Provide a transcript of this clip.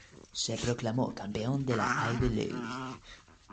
Se proclamó campeón de la Ivy League.